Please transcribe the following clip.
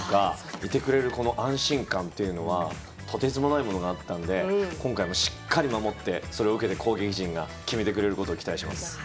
いてくれる安心感というのはとてつもないものだったので今回もしっかり守ってそれを受けて攻撃陣が決めてくれることを期待します。